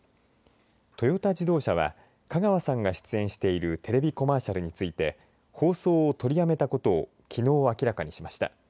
トヨタ自動車は香川さんが出演しているテレビコマーシャルについて放送を取りやめたことをきのう明らかにしました。